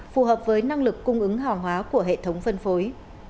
phù hợp với năng lực cung ứng hàng hóa của hệ thống phân phối